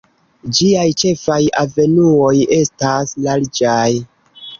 Ĝiaj ĉefaj avenuoj estas larĝaj.